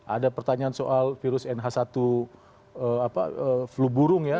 ada pertanyaan soal virus nh satu flu burung ya